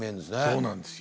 そうなんですよ。